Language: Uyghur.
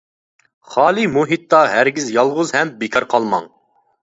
خالىي مۇھىتتا ھەرگىز يالغۇز ھەم بىكار قالماڭ.